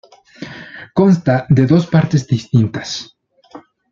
Consta de dos partes distintas.